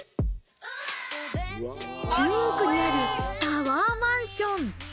中央区にあるタワーマンション。